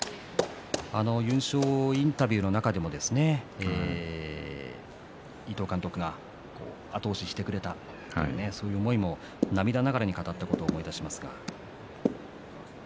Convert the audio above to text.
優勝インタビューの中でも伊東監督が後押ししてくれたそういう思いも涙ながらに語ったことを思い出します。